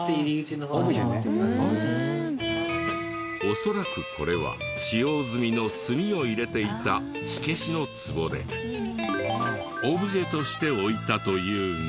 恐らくこれは使用済みの炭を入れていた火消しのツボでオブジェとして置いたというが。